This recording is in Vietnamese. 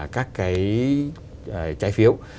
các cái trái phiếu